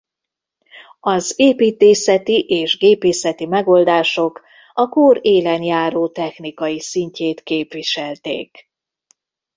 Az építészeti és gépészeti megoldások a kor élenjáró technikai szintjét képviselték.